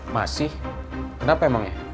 masih kenapa emangnya